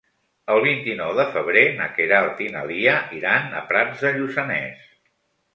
El vint-i-nou de febrer na Queralt i na Lia iran a Prats de Lluçanès.